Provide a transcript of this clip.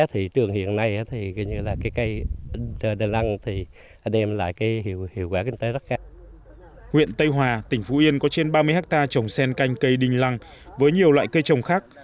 huyện tây hòa tỉnh phú yên có trên ba mươi hectare trồng sen canh cây đinh lăng với nhiều loại cây trồng khác